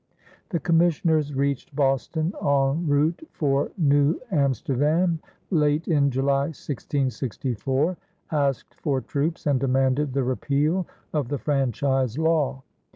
The commissioners reached Boston, en route for New Amsterdam, late in July, 1664, asked for troops, and demanded the repeal of the franchise law.